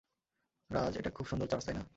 রাজ, এটা খুব সুন্দর চার্চ তাইনা?